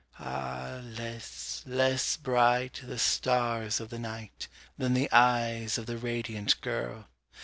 Ah, less less bright The stars of the night Than the eyes of the radiant girl!